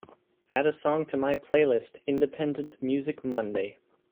Add a song to my playlist Independent Music Monday